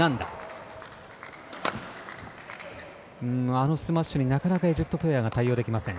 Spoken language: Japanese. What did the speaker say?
あのスマッシュになかなか、エジプトペアが対応できません。